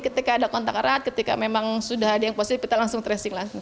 ketika ada kontak erat ketika memang sudah ada yang positif kita langsung tracing langsung